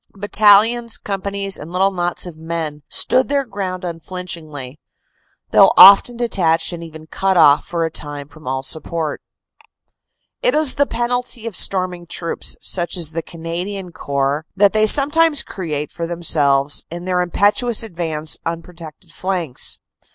Battalions, companies and little knots of men stood their ground unflinch ingly, though often detached and even cut off for a time from all support. It is the penalty of storming troops, such as the Canadian Corps, that they sometimes create for themselves, in their impetuous advance, unprotected flanks.